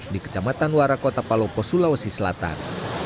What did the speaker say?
di kecamatan warakota palopo sulawesi selatan